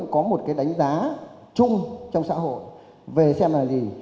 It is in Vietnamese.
có một cái đánh giá chung trong xã hội về xem là gì